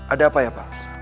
ada apa ya pak